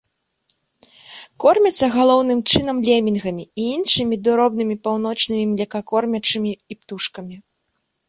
Кормяцца галоўным чынам лемінгамі і іншымі дробнымі паўночнымі млекакормячымі і птушкамі.